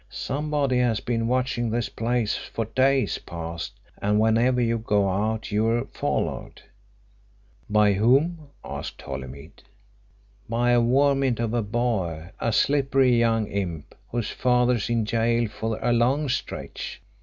"Somebody has been watching this place for days past and whenever you go out you're followed." "By whom?" asked Holymead. "By a varmint of a boy a slippery young imp whose father's in gaol for a long stretch.